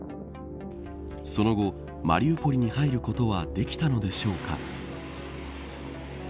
その後、マリウポリに入ることはできたのでしょうか。